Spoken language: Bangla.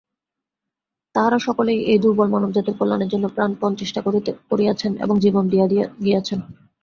তাঁহারা সকলেই এই দুর্বল মানবজাতির কল্যাণের জন্য প্রাণপণ চেষ্টা করিয়াছেন এবং জীবন দিয়া গিয়াছেন।